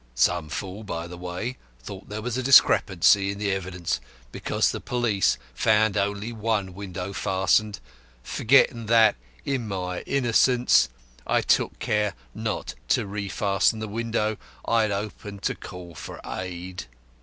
Some fool, by the by, thought there was a discrepancy in the evidence because the police found only one window fastened, forgetting that, in my innocence I took care not to refasten the window I had opened to call for aid.